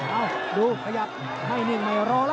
เอ้าดูขยับให้เน็นไม่รอละ